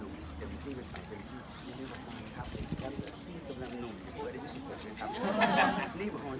ที่จะฝ่าเวลาใหม่อยากถึงการเจอการอะไรหลังจากทานเลือดตั้งแอร์